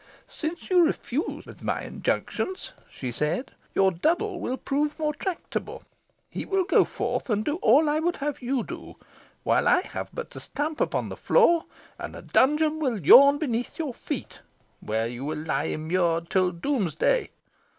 "Since you refuse, with my injunctions," she said, "your double will prove more tractable. He will go forth and do all I would have you do, while I have but to stamp upon the floor and a dungeon will yawn beneath your feet, where you will lie immured till doomsday.